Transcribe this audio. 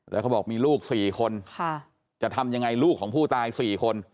แล้วเขาบอกมีลูก๔คนจะทำยังไงลูกของผู้ตาย๔คน